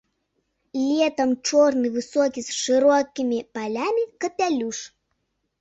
Летам чорны высокі з шырокімі палямі капялюш.